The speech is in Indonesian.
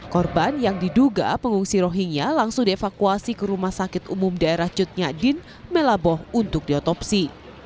korban yang diduga pengungsi rohingya langsung dievakuasi ke rumah sakit umum daerah cutnya din melaboh untuk diotopsi